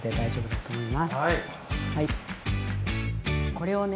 これをね